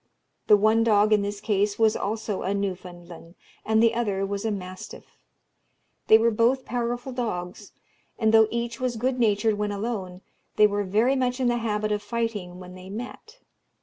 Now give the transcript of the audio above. The one dog in this case was also a Newfoundland, and the other was a mastiff. They were both powerful dogs; and though each was good natured when alone, they were very much in the habit of fighting when they met.